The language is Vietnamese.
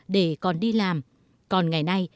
để còn đi làm còn ngày nay